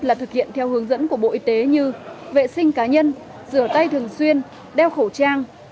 là thực hiện theo hướng dẫn của bộ y tế như vệ sinh cá nhân rửa tay thường xuyên đeo khẩu trang